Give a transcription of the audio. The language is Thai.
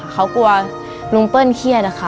เขากลัวลุงเปิ้ลเครียดอะค่ะ